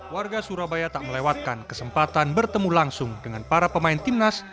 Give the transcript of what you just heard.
warga surabaya tak melewatkan kesempatan bertemu langsung dengan para pemain timnas